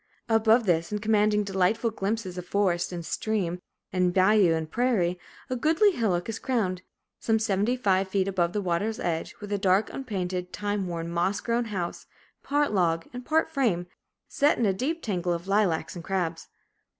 Above this and commanding delightful glimpses of forest and stream and bayou and prairie, a goodly hillock is crowned, some seventy five feet above the water's edge, with a dark, unpainted, time worn, moss grown house, part log and part frame, set in a deep tangle of lilacs and crabs.